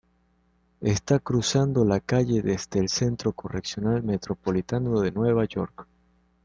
Está cruzando la calle desde el Centro Correccional Metropolitano de Nueva York.